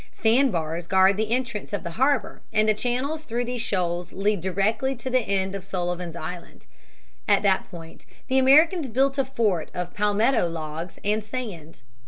Sand bars guard the entrance of the harbor and the channels through these shoals lead directly to the end of Sullivan's Island. At that point the Americans built a fort of palmetto logs and sand.